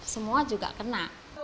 semua juga kena